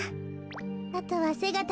あとはせがた